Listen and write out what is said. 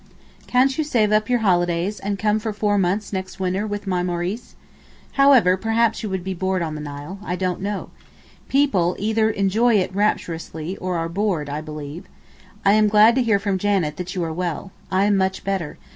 Can't you save up your holidays and come for four months next winter with my Maurice? However perhaps you would be bored on the Nile. I don't know. People either enjoy it rapturously or are bored, I believe. I am glad to hear from Janet that you are well. I am much better.